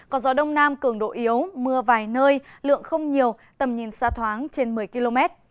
có gió đông nam cường độ yếu mưa vài nơi lượng không nhiều tầm nhìn xa thoáng trên một mươi km